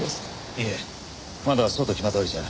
いえまだそうと決まったわけじゃ。